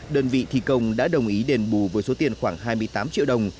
đơn vị thi công đã đồng ý đền bù với số tiền khoảng hai mươi tám triệu đồng